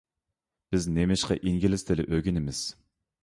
بىز نېمىشقا ئىنگلىز تىلى ئۆگىنىمىز؟